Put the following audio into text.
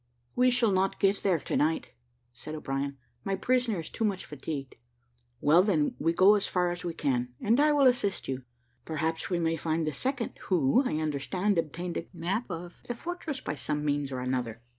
"We shall not get there to night," said O'Brien, "my prisoner is too much fatigued." "Well, then, we will go as far as we can; and I will assist you. Perhaps we may find the second, who, I understand, obtained a map of the fortress by some means or another."